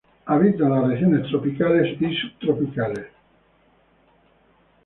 Habitan las regiones tropicales y subtropicales.